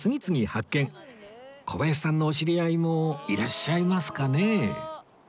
小林さんのお知り合いもいらっしゃいますかね？